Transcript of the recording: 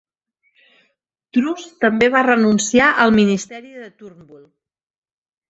Truss també va renunciar al Ministeri de Turnbull.